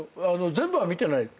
全部は見てない。